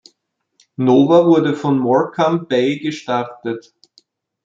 Nova wurde von Morecambe Bay gestartet.